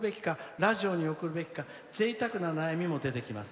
ラジオに送るべきかぜいたくな悩みも出てきます」。